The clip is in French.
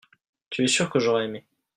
tu es sûr que j'aurais aimé.